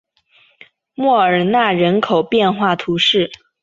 莫尔纳人口变化图示